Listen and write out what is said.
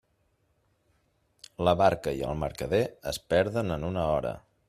La barca i el mercader es perden en una hora.